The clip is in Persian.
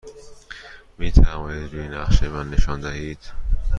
می توانید روی نقشه به من نشان دهید؟